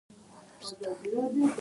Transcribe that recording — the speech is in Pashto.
تاریخ د قوم د ودې پل دی.